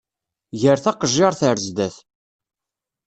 Ger taqejjiṛt ar zdat!